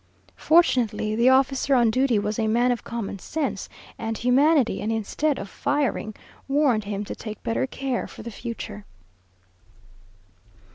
_" Fortunately, the officer on duty was a man of common sense and humanity, and instead of firing, warned him to take better care for the future.